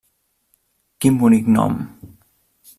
Quin bonic nom!